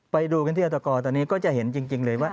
ไปดูกันที่อัตกรตอนนี้ก็จะเห็นจริงเลยว่า